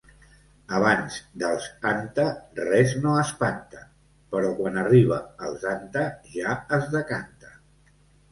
Abans dels 'anta' res no espanta, però quan arriba als 'anta' ja es decanta.